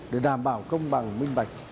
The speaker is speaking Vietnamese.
để đảm bảo công bằng minh bạch